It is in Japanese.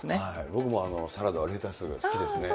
僕もサラダはレタス、そうですね。